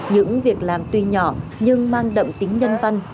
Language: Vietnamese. những việc làm tuy nhỏ nhưng mang đậm tính nhân văn